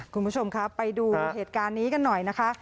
คุณผู้ชมครับไปดูเหตุการณ์นี้กันหน่อยนะคะ